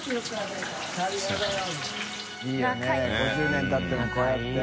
５０年たってもこうやって。